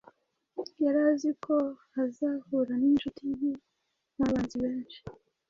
Yari azi ko azahura n’incuti nke n’abanzi benshi.